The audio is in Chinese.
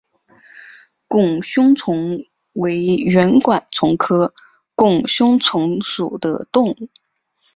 拱胸虫为圆管虫科拱胸虫属的动物。